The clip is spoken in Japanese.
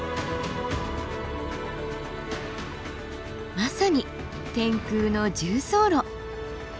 まさに天空の縦走路。